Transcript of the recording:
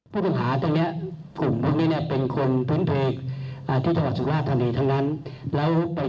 กำนันหญิงคือกำนันกรรมิการหรือกำนันเตี้ย